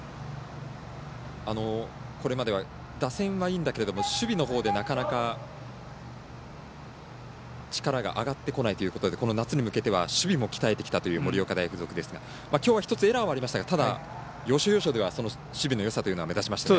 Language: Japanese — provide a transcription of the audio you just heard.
これまでは打線はいいんだけど守備のほうでなかなか力が上がってこないということでこの夏に向けては守備も鍛えてきたという盛岡大付属ですが、きょうは１つエラーはありましたがただ、要所要所では守備のよさというのが目立ちましたね。